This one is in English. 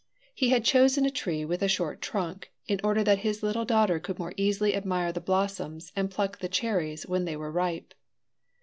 He had chosen a tree with a short trunk, in order that his little daughter could more easily admire the blossoms and pluck the cherries when they were ripe.